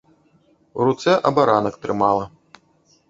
У руцэ абаранак трымала.